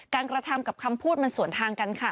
กระทำกับคำพูดมันสวนทางกันค่ะ